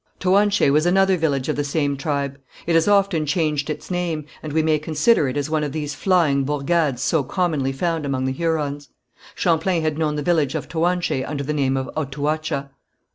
Toanché was another village of the same tribe. It has often changed its name, and we may consider it as one of these flying bourgades so commonly found among the Hurons. Champlain had known the village of Toanché under the name of Otouacha.